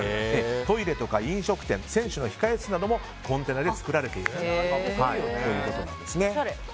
トイレとか飲食店選手の控え室などもコンテナで造られているということなんです。